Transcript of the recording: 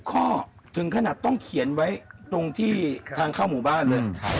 ข้อถึงขนาดต้องเขียนไว้ตรงที่ทางเข้าหมู่บ้านเลย